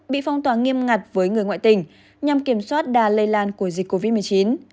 bị phong tỏa nghiêm ngặt với người ngoại tỉnh nhằm kiểm soát đà lây lan của dịch covid một mươi chín